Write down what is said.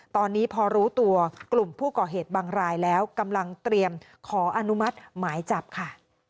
ตอนนี้พอรู้ตัวกลุ่มผู้ก่อเหตุบางรายแล้วกำลังเตรียมขออนุมัติหมายจับค่ะ